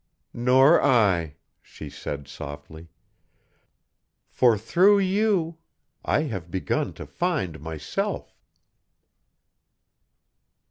"Nor I," she said softly, "for, through you, I have begun to find myself."